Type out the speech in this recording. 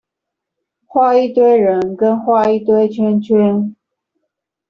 畫一堆人跟畫一堆圈圈